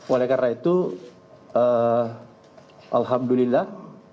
oleh karena itu alhamdulillah